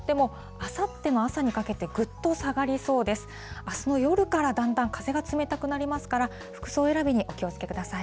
あすの夜からだんだん風が冷たくなりますから、服装選びにお気をつけください。